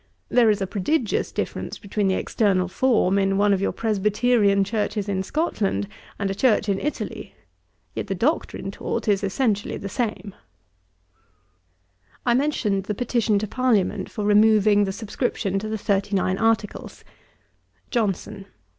There is a prodigious difference between the external form of one of your Presbyterian churches in Scotland, and a church in Italy; yet the doctrine taught is essentially the same.' I mentioned the petition to Parliament for removing the subscription to the Thirty nine Articles. JOHNSON.